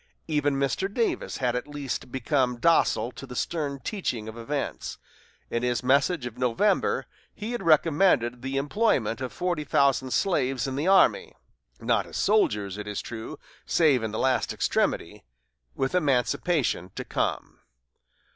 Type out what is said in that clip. Even Mr. Davis had at last become docile to the stern teaching of events. In his message of November he had recommended the employment of forty thousand slaves in the army not as soldiers, it is true, save in the last extremity with emancipation to come.